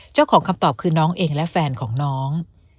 เจ้าของคำตอบคือน้องเองและแฟนของน้อง